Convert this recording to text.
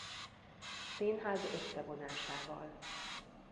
Színház összevonásával.